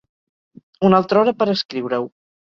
Una altra hora per escriure-ho.